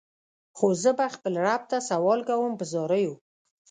خو زه به خپل رب ته سوال کوم په زاریو.